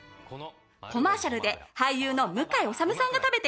コマーシャルで俳優の向井理さんが食べていた。